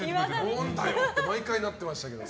何だよ！って毎回なってましたけど。